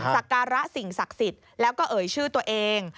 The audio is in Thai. สักการะสิ่งศักดิ์สิทธิ์แล้วก็เอ่ยชื่อตัวเอง